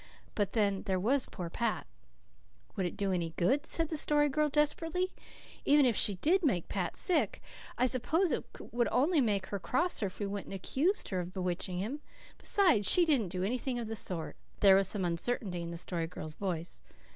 But then, there was poor Pat! "Would it do any good?" said the Story Girl desperately. "Even if she did make Pat sick I suppose it would only make her crosser if we went and accused her of bewitching him. Besides, she didn't do anything of the sort." But there was some uncertainty in the Story Girl's voice.